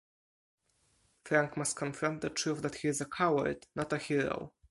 Frank must confront the truth that he is a coward, not a hero.